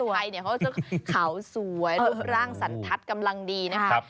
ควายไทยเขาจะขาวสวยรูปร่างสันทัศน์กำลังดีนะคะ